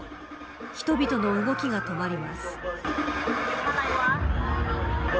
人々の動きが止まります。